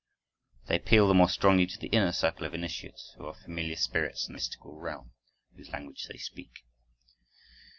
They appeal the more strongly to the inner circle of initiates who are familiar spirits in the mystical realm, whose language they speak.